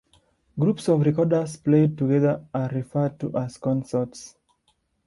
Groups of recorders played together are referred to as consorts.